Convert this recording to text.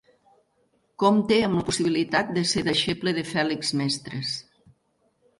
Compta amb la possibilitat de ser deixeble de Fèlix Mestres.